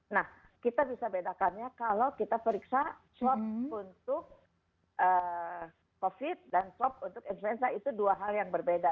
nah kita bisa bedakannya kalau kita periksa swab untuk covid dan swab untuk influenza itu dua hal yang berbeda